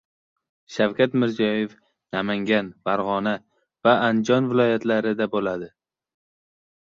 Shavkat Mirziyoyev Namangan, Farg‘ona va Andijon viloyatlarida bo‘ladi